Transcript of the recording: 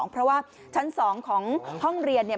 เพราะว่าชั้น๒ของห้องเรียนเนี่ย